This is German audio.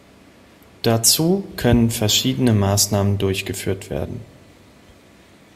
Dazu können verschiedene Maßnahmen durchgeführt werden.